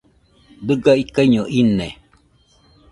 Dɨga ikaiño ine